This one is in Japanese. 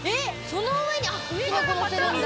その上にきのこのせるんだ。